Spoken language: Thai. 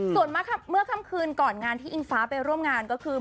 ส่วนเมื่อค่ำคืนก่อนงานที่อิงฟ้าไปร่วมงานก็คือ